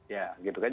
ya gitu kan